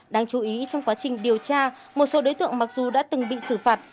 đáng chú ý trong quá trình điều tra một số đối tượng mặc dù đã từng bị xử phạt